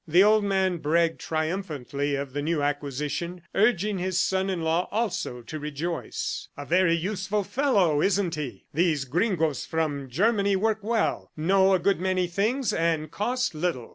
The old man bragged triumphantly of the new acquisition, urging his son in law also to rejoice. "A very useful fellow, isn't he? ... These gringoes from Germany work well, know a good many things and cost little.